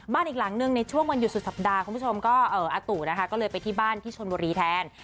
อีกหลังหนึ่งในช่วงวันหยุดสุดสัปดาห์คุณผู้ชมก็อาตู่นะคะก็เลยไปที่บ้านที่ชนบุรีแทน